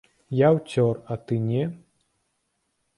Я ўцёр, а ты не.